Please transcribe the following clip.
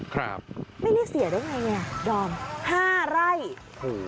ครับไม่เรียกเสียด้วยไงเนี้ยดอมห้าไร่หู